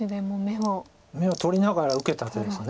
眼を取りながら受けた手です。